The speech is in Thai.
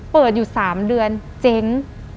เปิดอยู่๓เดือนเจ๊ง